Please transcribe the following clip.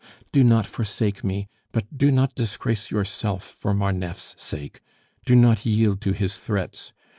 "Do not forsake me, but do not disgrace yourself for Marneffe's sake; do not yield to his threats.